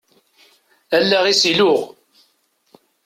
Allaɣ-is iluɣ.